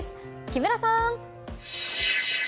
木村さん！